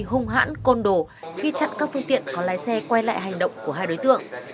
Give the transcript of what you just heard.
hung hãn côn đồ khi chặn các phương tiện có lái xe quay lại hành động của hai đối tượng